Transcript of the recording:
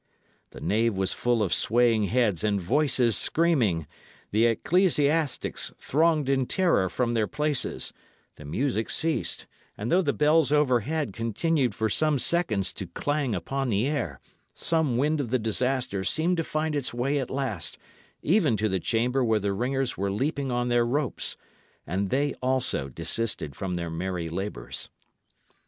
The nave was full of swaying heads and voices screaming; the ecclesiastics thronged in terror from their places; the music ceased, and though the bells overhead continued for some seconds to clang upon the air, some wind of the disaster seemed to find its way at last even to the chamber where the ringers were leaping on their ropes, and they also desisted from their merry labours.